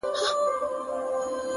لونگينه څڼوره- مروره-